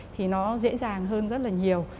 thì nó dễ dàng hơn rất là nhiều